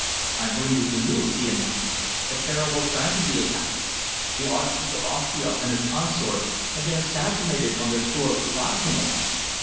"I bring you the news," he announced. "A terrible tragedy has happened. The Archduke of Austria and his Consort have been assassinated on their tour through Bosnia."